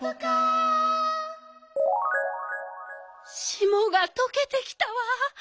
しもがとけてきたわ。